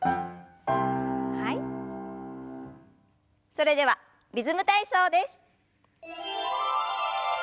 それでは「リズム体操」です。